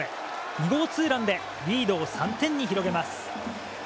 ２号ツーランでリードを３点に広げます。